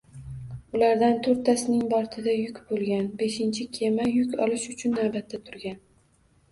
Ulardan to‘rttasining bortida yuk bo‘lgan, beshinchi kema yuk olish uchun navbatda turgan